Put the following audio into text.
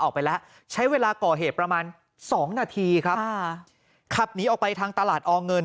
ออกไปแล้วใช้เวลาก่อเหตุประมาณสองนาทีครับขับหนีออกไปทางตลาดอเงิน